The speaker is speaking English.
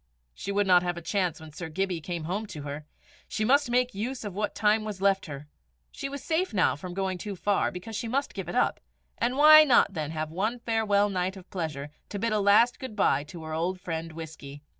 She would not have a chance when Sir Gibbie came home to her. She must make use of what time was left her. She was safe now from going too far, because she must give it up; and why not then have one farewell night of pleasure, to bid a last good bye to her old friend Whisky?